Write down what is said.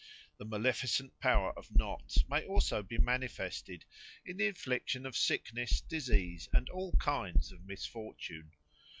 The maleficent power of knots may also be manifested in the infliction of sickness, disease, and all kinds of misfortune.